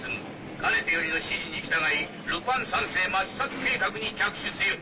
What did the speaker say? かねてよりの指示に従いルパン三世抹殺計画に着手せよ。